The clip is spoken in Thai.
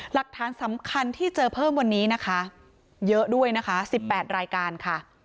หลักฐานสำคัญที่เจอเพิ่มวันนี้นะคะเยอะด้วยนะคะ๑๘รายการค่ะ